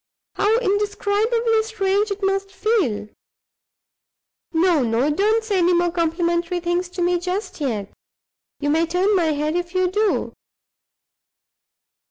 How indescribably strange it must feel! No, no; don't say any more complimentary things to me just yet. You may turn my head if you do.